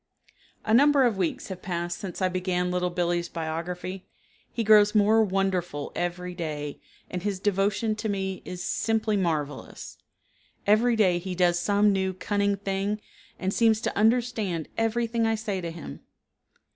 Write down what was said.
A number of weeks have passed since I began Little Billee's biography. He grows more wonderful every day, and his devotion to me is simply marvelous. Every day he does some new cunning thing and seems to understand everything I say to him.